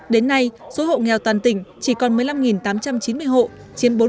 đến nay số hộ nghèo toàn tỉnh chỉ còn một mươi năm tám trăm chín mươi hộ chiến bốn chín mươi một